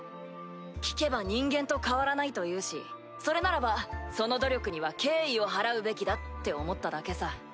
聞けば人間と変わらないというしそれならばその努力には敬意を払うべきだって思っただけさ。